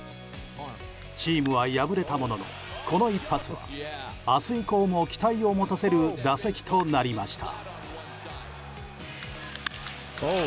チームは敗れたもののこの一発は明日以降も期待を持たせる打席となりました。